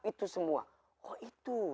itu semua oh itu